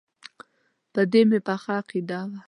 په دې مې پخه عقیده وه.